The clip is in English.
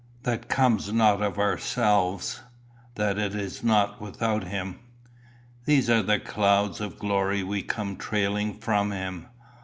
That comes not of ourselves that is not without him. These are the clouds of glory we come trailing from him.